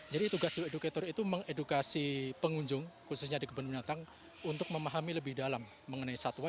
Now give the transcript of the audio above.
jadi tugas zoo educator itu mengedukasi pengunjung khususnya di kebun binatang untuk memahami lebih dalam mengenai satwa